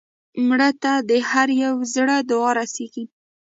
مړه ته د هر یو زړه دعا رسېږي